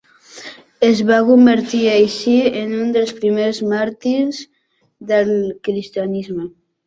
Es va convertir així en un dels primers màrtirs del cristianisme.